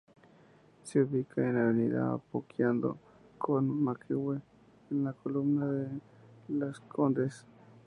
Se ubica en Avenida Apoquindo con Manquehue, en la comuna de Las Condes.